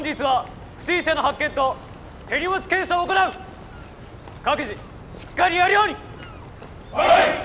はい！